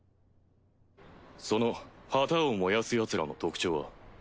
その旗を燃やすヤツらの特徴は？